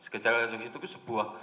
gejala gejala fisik itu sebuah